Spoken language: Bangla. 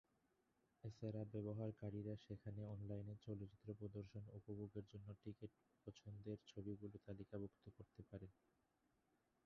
এছাড়া ব্যবহারকারীরা সেখানে অনলাইনে চলচ্চিত্র প্রদর্শন উপভোগের জন্য টিকেট, এবং পছন্দের ছবিগুলো তালিকাভুক্ত করতে পারেন।